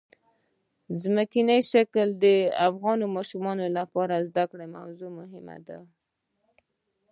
ځمکنی شکل د افغان ماشومانو د زده کړې موضوع ده.